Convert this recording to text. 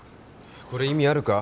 これ意味あるか？